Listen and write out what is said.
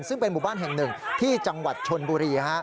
ซึ่งเป็นหมู่บ้านแห่งหนึ่งที่จังหวัดชนบุรี